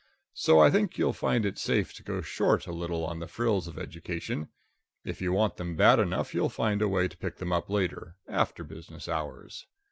So I think you'll find it safe to go short a little on the frills of education; if you want them bad enough you'll find a way to pick them up later, after business hours.